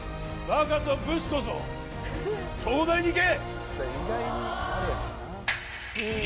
バカとブスこそ東大に行け！